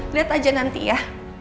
lihat aja nanti ya